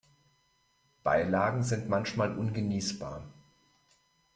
Beilagen sind manchmal ungenießbar.